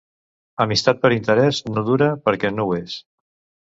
Amistat per interès, no dura, perquè no ho és.